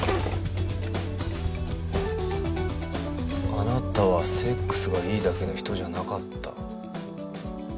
「あなたはセックスがいいだけの人じゃなかった」。